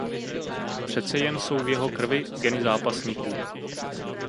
Přece jen jsou v jeho krvi geny zápasníků.